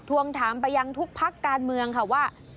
ทวงถามไปยังทุกพักการเมืองค่ะว่า